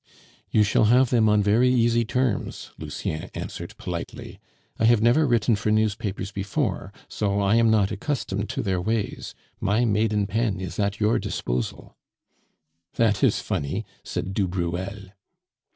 "You shall have them on very easy terms," Lucien answered politely. "I have never written for newspapers before, so I am not accustomed to their ways, my maiden pen is at your disposal " "That is funny," said du Bruel.